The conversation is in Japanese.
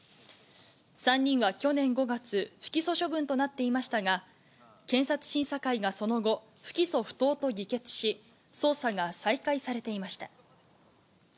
３人は去年５月、不起訴処分となっていましたが、検察審査会がその後、不起訴不当と議決し、捜査が再開されていました。